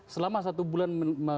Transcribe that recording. selama satu bulan